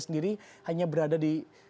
sendiri hanya berada di